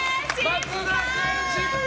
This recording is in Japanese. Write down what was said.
松田君、失敗！